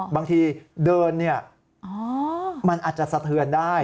บางทีเดินเนี่ยมันอาจจะสะเทือนได้